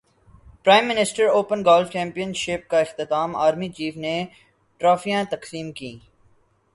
prime minister open golf championship کا اختتام army chief نے ٹرافیاں تقسیم کیں